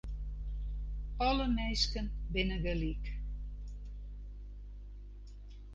Alle minsken binne gelyk.